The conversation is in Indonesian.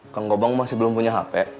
kang ngomong masih belum punya hp